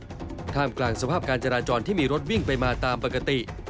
ท่ามกลางสภาพการจราจรที่มีรถวิ่งไปมาตามปกติ